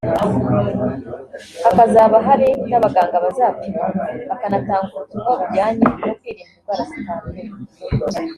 hakazaba hari n’abaganga bazapima bakanatanga ubutumwa bujyanye no kwirinda indwara zitandura